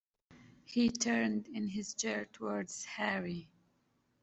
He turned in his chair towards Harry.